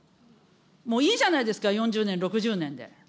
もういいじゃないですか、４０年、６０年で。